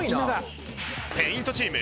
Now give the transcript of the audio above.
ペイントチーム。